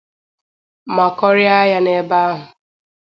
ma kọrịa ya n'ebe ahụ.